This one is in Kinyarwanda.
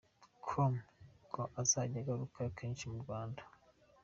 com ko azajya agaruka kenshi mu Rwanda.